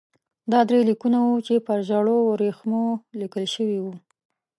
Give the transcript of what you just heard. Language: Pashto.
دا درې لیکونه وو چې پر ژړو ورېښمو لیکل شوي وو.